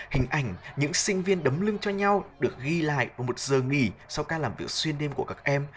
hình ảnh những sinh viên đấm lưng cho nhau được ghi lại vào một giờ nghỉ sau ca làm việc xuyên đêm của các em